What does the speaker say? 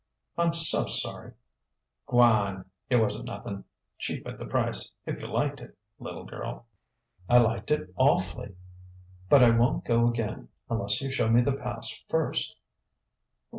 "I'm so sorry " "Gwan! It wasn't nothin'. Cheap at the price, if you liked it, little girl." "I liked it awfully! But I won't go again, unless you show me the pass first."